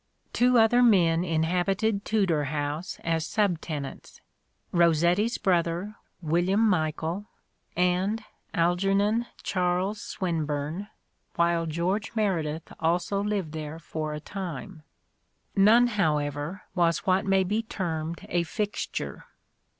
Two other men inhabited Tudor House as sub tenants : Rossetti's brother William Michael, and Algernon Charles Swinburne, while George Meredith also lived there for a time. None, c A DAY WITH ROSSETTI. however, was what may be termed a fixture.